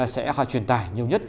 sẽ truyền tải nhiều nhất